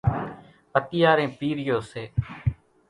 اتيارين پِيرِيو سي۔